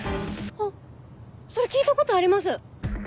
あっそれ聞いたことあります！